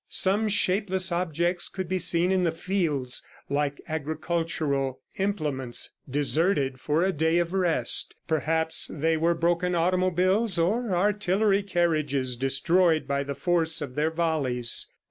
Some shapeless objects could be seen in the fields, like agricultural implements deserted for a day of rest. Perhaps they were broken automobiles, or artillery carriages destroyed by the force of their volleys.